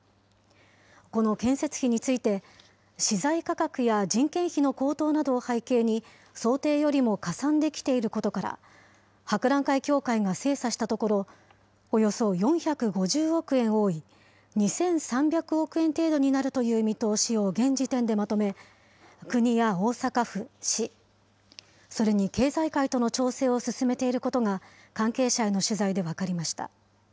この建設費について、資材価格や人件費の高騰などを背景に、想定よりもかさんできていることから、博覧会協会が精査したところ、およそ４５０億円多い、２３００億円程度になるという見通しを現時点でまとめ、国や大阪府・市、それに経済界との調整を進めていることが、関係者への取材で分かりました。